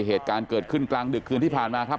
เหตุการณ์เกิดขึ้นกลางดึกคืนที่ผ่านมาครับ